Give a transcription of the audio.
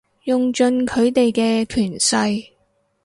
用盡佢哋嘅權勢